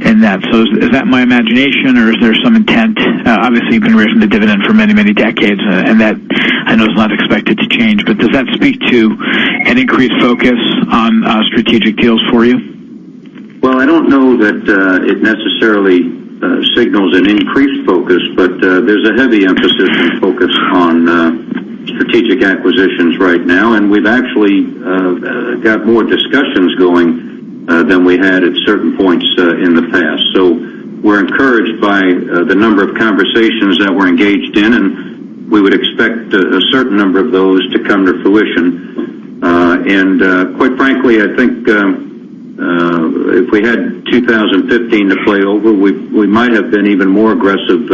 in that. Is that my imagination or is there some intent? Obviously, you've been raising the dividend for many, many decades, and that, I know is not expected to change. Does that speak to an increased focus on strategic deals for you? I don't know that it necessarily signals an increased focus, but there's a heavy emphasis and focus on strategic acquisitions right now. We've actually got more discussions going than we had at certain points in the past. We're encouraged by the number of conversations that we're engaged in, and we would expect a certain number of those to come to fruition. Quite frankly, I think if we had 2015 to play over, we might have been even more aggressive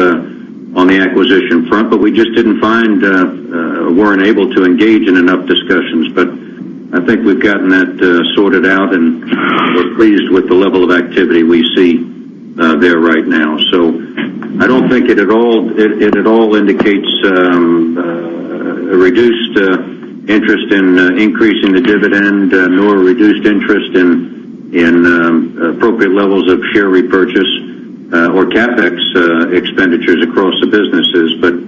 on the acquisition front, but we just weren't able to engage in enough discussions. I think we've gotten that sorted out, and we're pleased with the level of activity we see there right now. I don't think it at all indicates a reduced interest in increasing the dividend, nor a reduced interest in appropriate levels of share repurchase or CapEx expenditures across the businesses.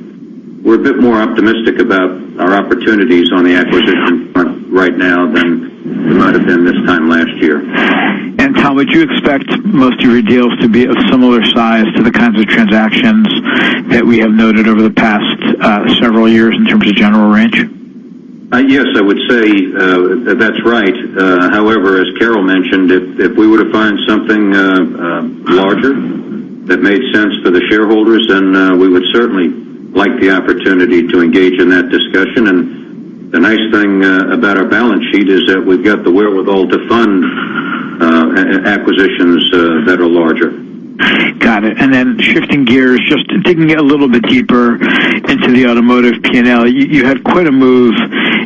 We're a bit more optimistic about our opportunities on the acquisition front right now than we might have been this time last year. Tom, would you expect most of your deals to be of similar size to the kinds of transactions that we have noted over the past several years in terms of general range? Yes, I would say that's right. However, as Carol mentioned, if we were to find something larger that made sense for the shareholders, then we would certainly like the opportunity to engage in that discussion. The nice thing about our balance sheet is that we've got the wherewithal to fund acquisitions that are larger. Got it. Shifting gears, just digging a little bit deeper into the automotive P&L. You had quite a move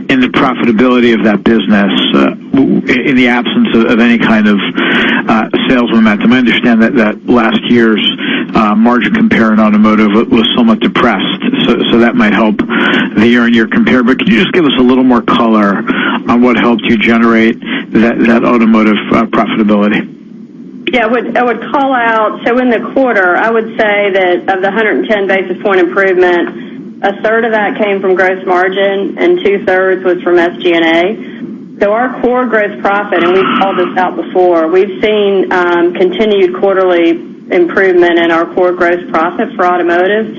in the profitability of that business in the absence of any kind of sales momentum. I understand that last year's margin compare in automotive was somewhat depressed, so that might help the year-on-year compare. Could you just give us a little more color on what helped you generate that automotive profitability? I would call out, in the quarter, I would say that of the 110 basis point improvement, a third of that came from gross margin and two-thirds was from SG&A. Our core gross profit, and we've called this out before, we've seen continued quarterly improvement in our core gross profit for automotive,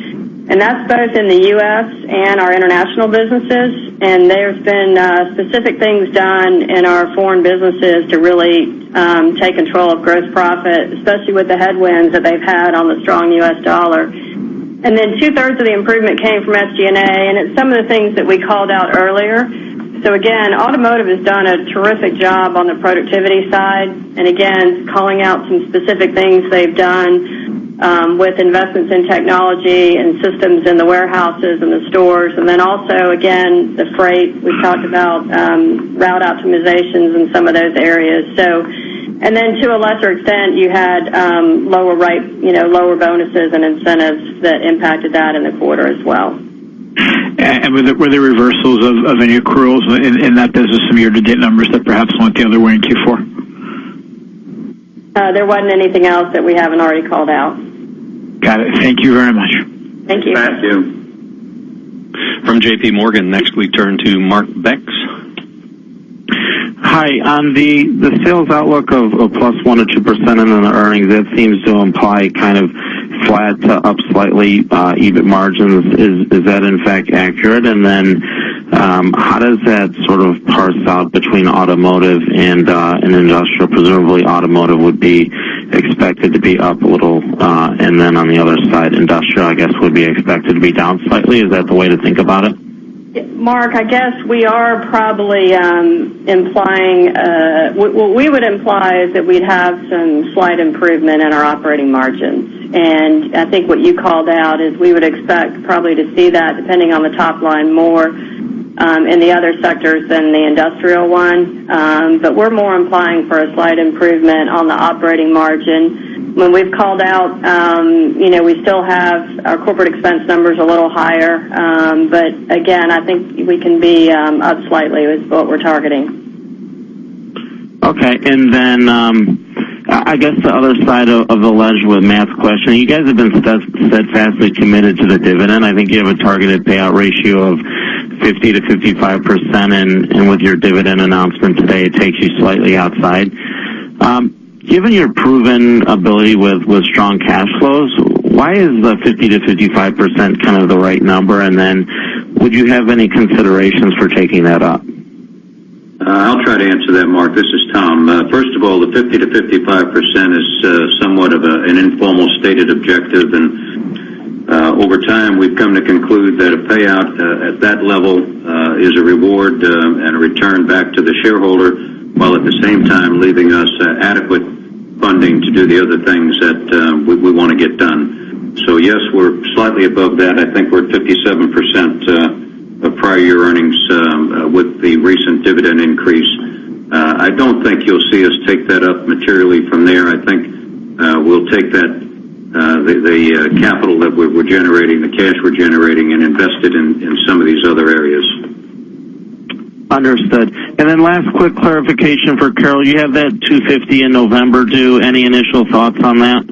and that's both in the U.S. and our international businesses. There's been specific things done in our foreign businesses to really take control of gross profit, especially with the headwinds that they've had on the strong U.S. dollar. Two-thirds of the improvement came from SG&A, and it's some of the things that we called out earlier. Again, automotive has done a terrific job on the productivity side. Calling out some specific things they've done with investments in technology and systems in the warehouses and the stores. Also, again, the freight, we talked about route optimizations in some of those areas. To a lesser extent, you had lower bonuses and incentives that impacted that in the quarter as well. Were there reversals of any accruals in that business from year-to-date numbers that perhaps went the other way in Q4? There wasn't anything else that we haven't already called out. Got it. Thank you very much. Thank you. Thank you. From JP Morgan, next we turn to Mark Jordan. Hi. On the sales outlook of +1% to 2% and then the earnings, that seems to imply kind of flat to up slightly EBIT margins. Is that in fact accurate? How does that sort of parse out between automotive and industrial? Presumably automotive would be expected to be up a little, and then on the other side, industrial, I guess, would be expected to be down slightly. Is that the way to think about it? Mark, I guess what we would imply is that we'd have some slight improvement in our operating margins. I think what you called out is we would expect probably to see that depending on the top line more, in the other sectors than the industrial one. We're more implying for a slight improvement on the operating margin. When we've called out, we still have our corporate expense numbers a little higher. Again, I think we can be up slightly is what we're targeting. Okay. I guess the other side of the ledge with Matt's question, you guys have been steadfastly committed to the dividend. I think you have a targeted payout ratio of 50%-55%, and with your dividend announcement today, it takes you slightly outside. Given your proven ability with strong cash flows, why is the 50%-55% kind of the right number? Would you have any considerations for taking that up? I'll try to answer that, Mark. This is Tom. First of all, the 50%-55% is somewhat of an informal stated objective. Over time, we've come to conclude that a payout at that level is a reward and a return back to the shareholder, while at the same time leaving us adequate funding to do the other things that we want to get done. Yes, we're slightly above that. I think we're at 57% of prior year earnings with the recent dividend increase. I don't think you'll see us take that up materially from there. I think we'll take the capital that we're generating, the cash we're generating and invest it in some of these other areas. Understood. Last quick clarification for Carol. You have that $250 in November due. Any initial thoughts on that?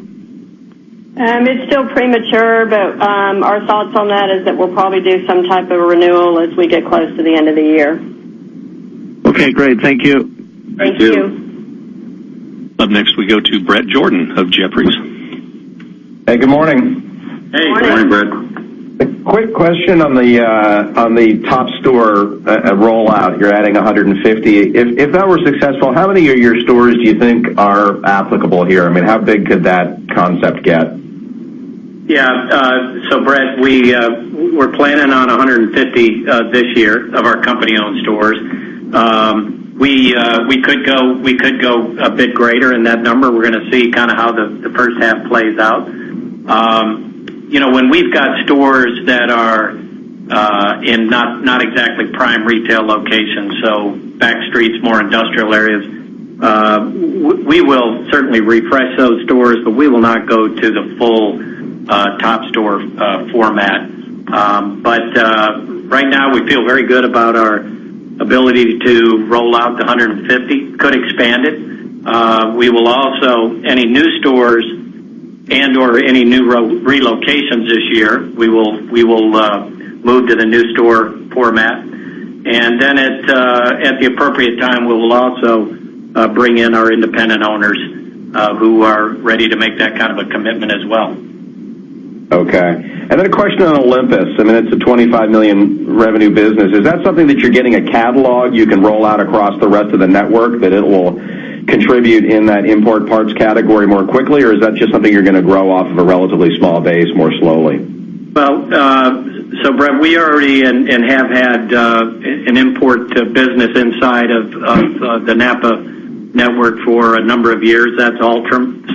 It's still premature, but our thoughts on that is that we'll probably do some type of renewal as we get close to the end of the year. Okay, great. Thank you. Thank you. Thank you. Up next, we go to Bret Jordan of Jefferies. Hey, good morning. Hey, good morning, Bret. Morning. Quick question on the top store rollout. You're adding 150. If that were successful, how many of your stores do you think are applicable here? How big could that concept get? Yeah. Bret, we're planning on 150 this year of our company-owned stores. We could go a bit greater in that number. We're going to see kind of how the first half plays out. When we've got stores that are in not exactly prime retail locations, back streets, more industrial areas, we will certainly refresh those stores, but we will not go to the full top store format. Right now, we feel very good about our ability to roll out the 150. Could expand it. We will also, any new stores and/or any new relocations this year, we will move to the new store format. At the appropriate time, we will also bring in our independent owners who are ready to make that kind of a commitment as well. Okay. A question on Olympus. I mean, it's a $25 million revenue business. Is that something that you're getting a catalog you can roll out across the rest of the network that it will contribute in that import parts category more quickly, or is that just something you're going to grow off of a relatively small base more slowly? Well, Bret, we already and have had an import business inside of the NAPA network for a number of years. That's Altrom.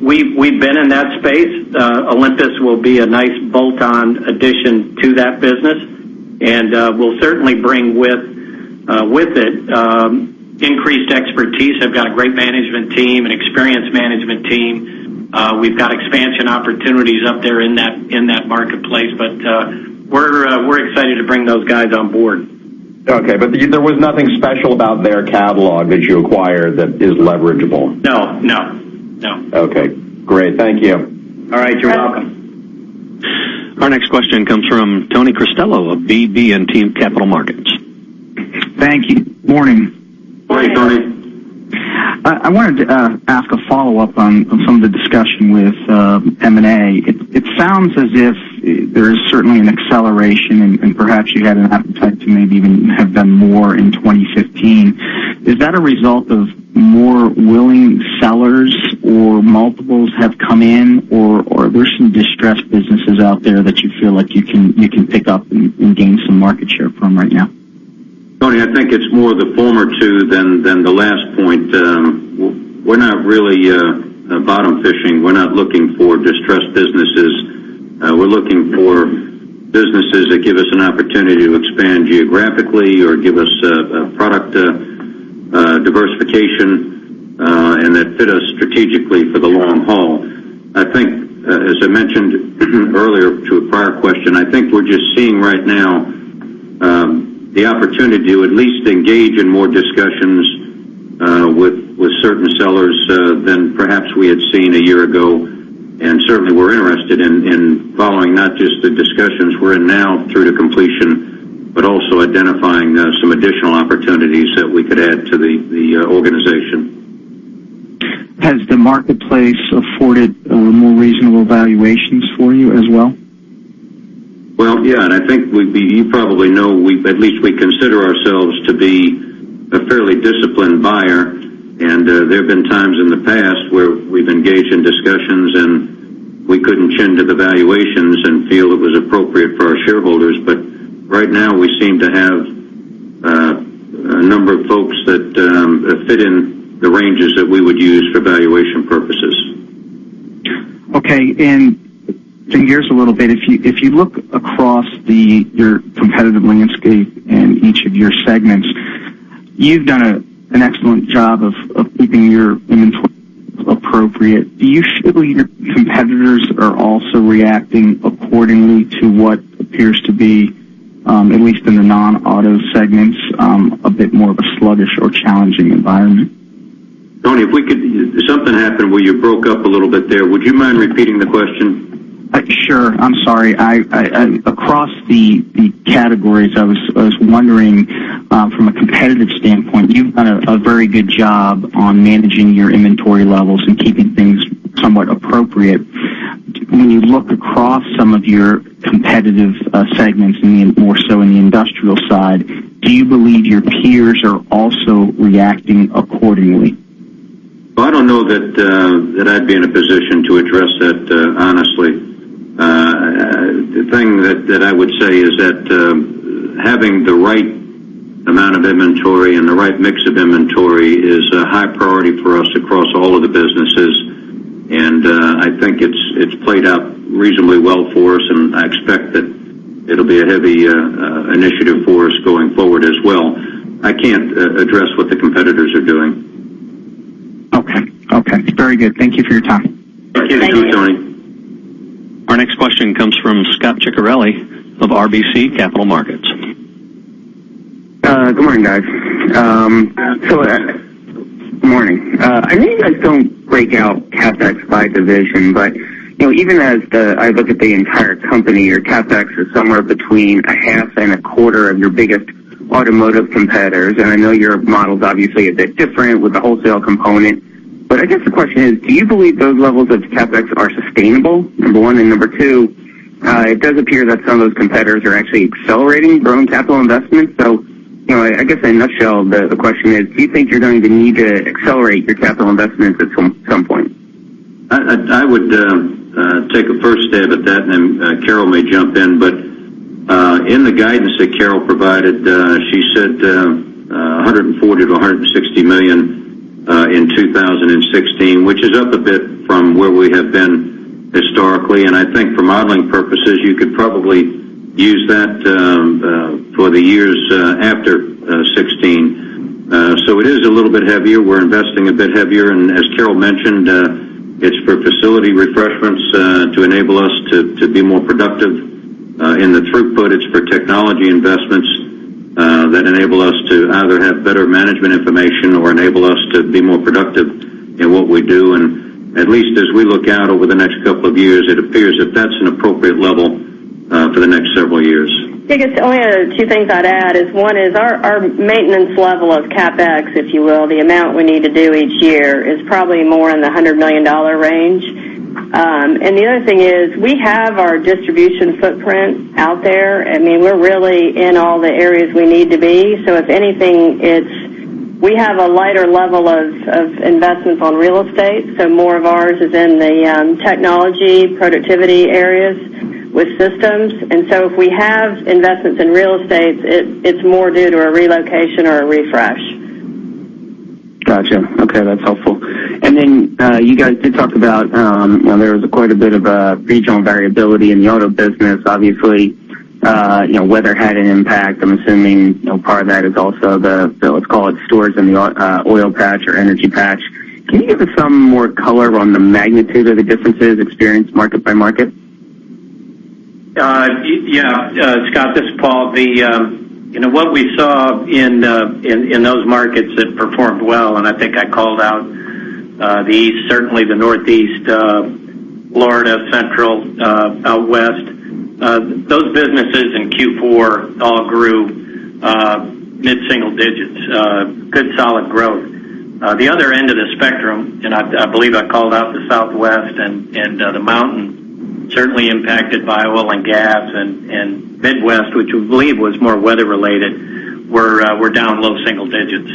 We've been in that space. Olympus will be a nice bolt-on addition to that business, and we'll certainly bring with it increased expertise. They've got a great management team, an experienced management team. We've got expansion opportunities up there in that marketplace, but we're excited to bring those guys on board. Okay. There was nothing special about their catalog that you acquired that is leverageable? No. Okay. Great. Thank you. All right. You're welcome. Our next question comes from Tony Costello of BB&T Capital Markets. Thank you. Morning. Morning, Tony. I wanted to ask a follow-up on some of the discussion with M&A. It sounds as if there is certainly an acceleration, and perhaps you had an appetite to maybe even have done more in 2015. Is that a result of more willing sellers, or multiples have come in, or are there some distressed businesses out there that you feel like you can pick up and gain some market share from right now? Tony, I think it's more the former two than the last point. We're not really bottom fishing. We're not looking for distressed businesses. We're looking for businesses that give us an opportunity to expand geographically or give us product diversification, and that fit us strategically for the long haul. I think, as I mentioned earlier to a prior question, I think we're just seeing right now the opportunity to at least engage in more discussions with certain sellers than perhaps we had seen a year ago. Certainly, we're interested in following not just the discussions we're in now through to completion, but also identifying some additional opportunities that we could add to the organization. Has the marketplace afforded more reasonable valuations for you as well? Well, yeah. I think you probably know, at least we consider ourselves to be a fairly disciplined buyer, and there have been times in the past where we've engaged in discussions, and we couldn't chin to the valuations and feel it was appropriate for our shareholders. Right now, we seem to have a number of folks that fit in the ranges that we would use for valuation purposes. Okay. To gear this a little bit, if you look across your competitive landscape and each of your segments, you've done an excellent job of keeping your inventory appropriate. Do you believe your competitors are also reacting accordingly to what appears to be, at least in the non-auto segments, a bit more of a sluggish or challenging environment? Tony, something happened where you broke up a little bit there. Would you mind repeating the question? Sure. I'm sorry. Across the categories, I was wondering from a competitive standpoint, you've done a very good job on managing your inventory levels and keeping things somewhat appropriate. When you look across some of your competitive segments, more so in the industrial side, do you believe your peers are also reacting accordingly? Well, I don't know that I'd be in a position to address that, honestly. The thing that I would say is that having the right amount of inventory and the right mix of inventory is a high priority for us across all of the businesses. I think it's played out reasonably well for us, I expect that it'll be a heavy initiative for us going forward as well. I can't address what the competitors are doing. Okay. Very good. Thank you for your time. Okay. Thank you, Tony. Our next question comes from Scot Ciccarelli of RBC Capital Markets. Good morning, guys. Scot. Morning. I know you guys don't break out CapEx by division, but even as I look at the entire company, your CapEx is somewhere between a half and a quarter of your biggest automotive competitors. I know your model's obviously a bit different with the wholesale component. I guess the question is: Do you believe those levels of CapEx are sustainable, number one? Number two, it does appear that some of those competitors are actually accelerating growing capital investments. I guess in a nutshell, the question is: Do you think you're going to need to accelerate your capital investments at some point? I would take a first stab at that. Carol may jump in. In the guidance that Carol provided, she said $140 million-$160 million in 2016, which is up a bit from where we have been historically. I think for modeling purposes, you could probably use that for the years after 2016. It is a little bit heavier. We're investing a bit heavier. As Carol mentioned, it's for facility refreshments to enable us to be more productive. In the throughput, it's for technology investments that enable us to either have better management information or enable us to be more productive in what we do. At least as we look out over the next couple of years, it appears that that's an appropriate level for the next several years. I guess the only two things I'd add is one is our maintenance level of CapEx, if you will, the amount we need to do each year is probably more in the $100 million range. The other thing is we have our distribution footprint out there. We're really in all the areas we need to be. If anything, we have a lighter level of investments on real estate, so more of ours is in the technology, productivity areas with systems. If we have investments in real estate, it's more due to a relocation or a refresh. Got you. Okay, that's helpful. You guys did talk about there was quite a bit of regional variability in the auto business. Obviously, weather had an impact. I'm assuming part of that is also the, let's call it stores in the oil patch or energy patch. Can you give us some more color on the magnitude of the differences experienced market by market? Yeah, Scot, this is Paul. What we saw in those markets that performed well, I think I called out the East, certainly the Northeast, Florida, Central, out West. Those businesses in Q4 all grew mid-single digits. Good, solid growth. The other end of the spectrum, I believe I called out the Southwest and the Mountain, certainly impacted by oil and gas, and Midwest, which we believe was more weather-related, were down low single digits.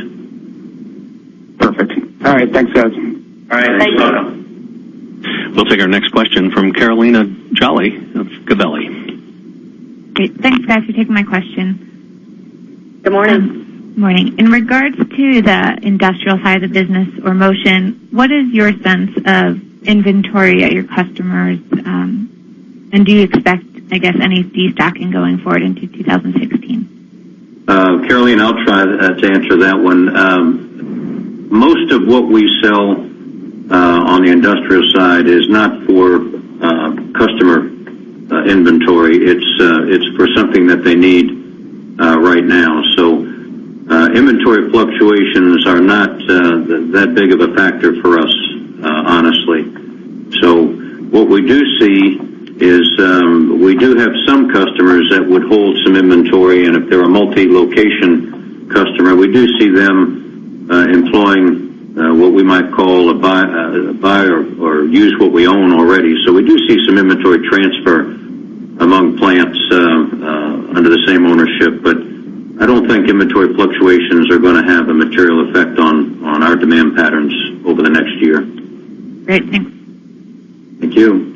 Perfect. All right, thanks, guys. All right. You're welcome. We'll take our next question from Carolina Jolly of Gabelli. Great. Thanks, guys, for taking my question. Good morning. Morning. In regards to the industrial side of the business or Motion, what is your sense of inventory at your customers? Do you expect, I guess, any destocking going forward into 2016? Carolina, I'll try to answer that one. Most of what we sell on the industrial side is not for customer inventory. It's for something that they need right now. Inventory fluctuations are not that big of a factor for us, honestly. What we do see is we do have some customers that would hold some inventory, and if they're a multi-location customer, we do see them employing what we might call a buy or use what we own already. We do see some inventory transfer among plants under the same ownership, I don't think inventory fluctuations are going to have a material effect on our demand patterns over the next year. Great. Thanks. Thank you.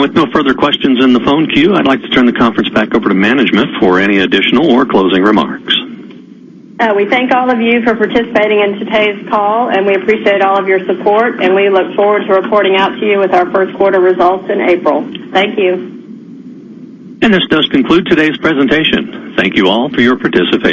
With no further questions in the phone queue, I'd like to turn the conference back over to management for any additional or closing remarks. We thank all of you for participating in today's call, and we appreciate all of your support, and we look forward to reporting out to you with our first quarter results in April. Thank you. This does conclude today's presentation. Thank you all for your participation.